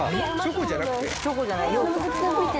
チョコじゃなくて？